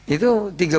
itu tiga bulan